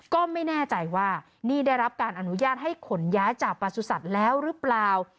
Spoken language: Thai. ก็ไม่แน่ใจว่านี่ได้รับการอนุญาตให้ขนย้ายจากประสุทธิ์แล้วหรือเปล่า